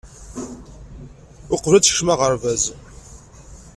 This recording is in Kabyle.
Uqbel ad tekcem aɣerbaz.